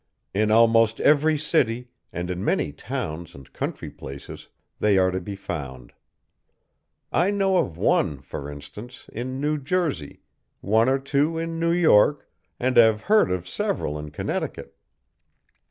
In almost every city, and in many towns and country places, they are to be found. I know of one, for instance, in New Jersey, one or two in New York, and have heard of several in Connecticut.